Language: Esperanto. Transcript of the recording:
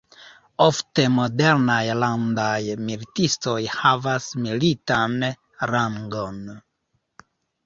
Ofte, modernaj landaj militistoj havas militan rangon.